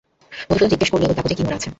মধুসূদন জিজ্ঞাসা করলে, ঐ কাগজে কী মোড়া আছে?